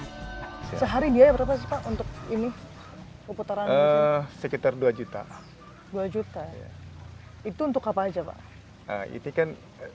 warga sekitar sehari dia berapa untuk ini seputar sekitar dua juta juta itu untuk apa aja pak itu kan